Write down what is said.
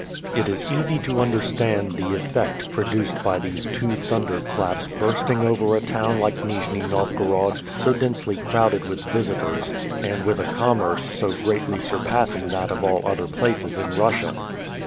It is easy to understand the effect produced by these two thunder claps bursting over a town like Nijni Novgorod, so densely crowded with visitors, and with a commerce so greatly surpassing that of all other places in Russia.